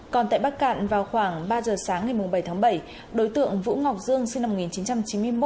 còn tại bắc cạn vào khoảng ba giờ sáng ngày bảy tháng bảy đối tượng vũ ngọc dương sinh năm một nghìn chín trăm chín mươi một